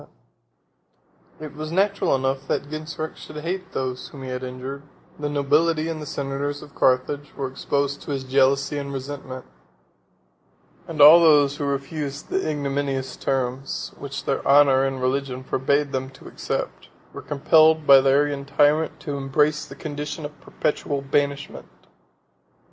] It was natural enough that Genseric should hate those whom he had injured: the nobility and senators of Carthage were exposed to his jealousy and resentment; and all those who refused the ignominious terms, which their honor and religion forbade them to accept, were compelled by the Arian tyrant to embrace the condition of perpetual banishment.